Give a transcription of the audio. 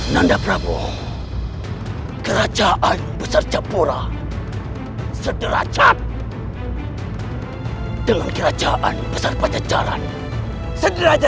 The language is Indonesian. nanda prabowo kerajaan besar capora sederacat dengan kerajaan besar pancacaran sederacat